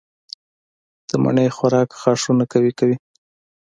د مڼې خوراک غاښونه قوي کوي.